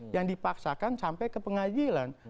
yang dipaksakan sampai ke pengadilan